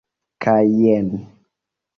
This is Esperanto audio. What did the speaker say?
Kaj jen.